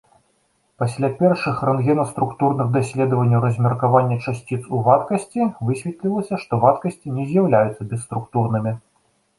Пасля першых рэнтгенаструктурных даследаванняў размеркавання часціц ў вадкасці высветлілася, што вадкасці не з'яўляюцца бесструктурнымі.